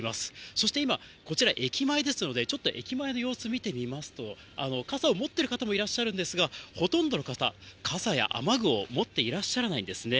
そして今、こちら駅前ですので、ちょっと駅前の様子、見てみますと、傘を持っている方もいらっしゃるんですが、ほとんどの方、傘や雨具を持っていらっしゃらないんですね。